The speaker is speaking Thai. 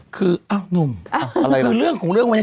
คือหนุ่มเรื่องของเรื่องวันนี้